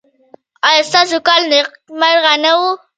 ایا ستاسو کال نیکمرغه نه و؟